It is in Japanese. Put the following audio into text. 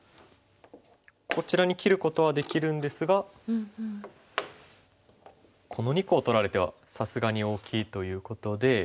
こちらに切ることはできるんですがこの２個を取られてはさすがに大きいということで。